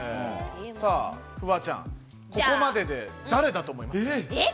フワちゃん、ここまでで誰だと思いますか？